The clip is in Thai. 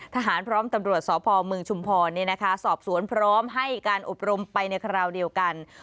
ทหารพร้อมตำรวจสพเมืองชุมพรสอบสวนพร้อมให้การอบรมไปในคราวเดียวกัน